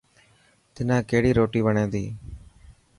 تنان ڪهڙي روٽي وڻي تي.